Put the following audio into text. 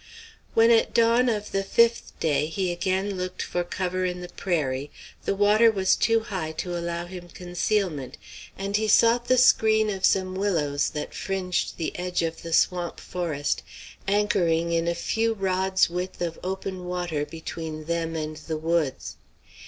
When at dawn of the fifth day he again looked for cover in the prairie, the water was too high to allow him concealment, and he sought the screen of some willows that fringed the edge of the swamp forest, anchoring in a few rods' width of open water between them and the woods.